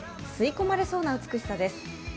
吸い込まれそうな美しさです。